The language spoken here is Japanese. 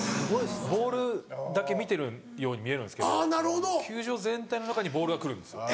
ボールだけ見てるように見えるんですけど球場全体の中にボールがくるんですよ。